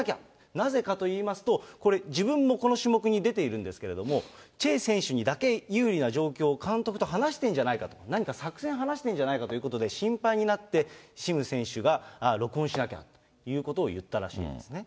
なぜかといいますと、これ、自分もこの種目に出ているんですけれども、チェ選手にだけ有利な状況を監督と話してるんじゃないかと、何か作戦話してるんじゃないかということで心配になって、シム選手が録音しなきゃということを言ったらしいんですね。